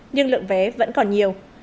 nhưng lượng vé vẫn còn nhiều